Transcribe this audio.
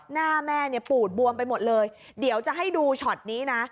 หน้าแม่เนี่ยปูดบวมไปหมดเลยเดี๋ยวจะให้ดูช็อตนี้นะ